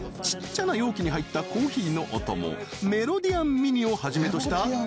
ちっちゃな容器に入ったコーヒーのお供メロディアンミニをはじめとした